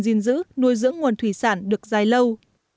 gìn giữ nuôi dưỡng nguồn thủy sản được dài lâu